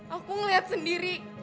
aku ngeliat sendiri